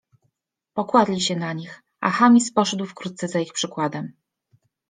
Pokładli się na nich, a Chamis poszedł wkrótce za ich przykładem.